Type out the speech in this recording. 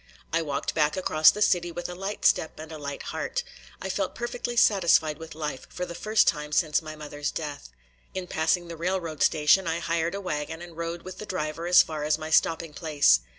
I walked back across the city with a light step and a light heart. I felt perfectly satisfied with life for the first time since my mother's death. In passing the railroad station I hired a wagon and rode with the driver as far as my stopping place.